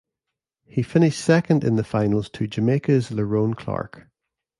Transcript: He finished second in the finals to Jamaica's Lerone Clarke.